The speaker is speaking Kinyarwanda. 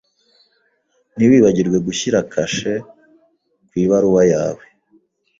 Ntiwibagirwe gushyira kashe ku ibaruwa yawe.